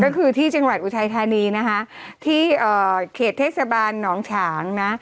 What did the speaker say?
ก็คือที่จังหวัดอุทัยธานีนะคะที่เขตเทศบาลหนองฉางนะ